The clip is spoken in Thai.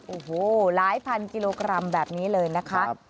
โอ้โหหลายพันกิโลกรัมแบบนี้เลยนะคะ